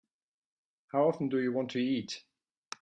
How often do you want to eat?